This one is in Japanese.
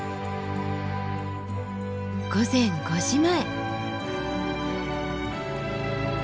午前５時前。